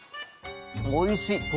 おいしい。